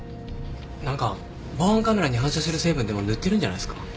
何か防犯カメラに反射する成分でも塗ってるんじゃないっすか？